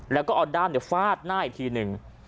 แล้วก็เอาด้ามฟาดหน้าอีกทีหนึ่ง